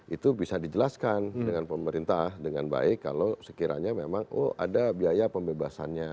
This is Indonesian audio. itu bisa dijelaskan dengan pemerintah dengan baik kalau sekiranya memang oh ada biaya pembebasannya